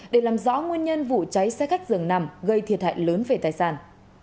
để làm rõ nguyên nhân vụ cháy xe khách dường nằm gây thiệt hại lớn về tài sản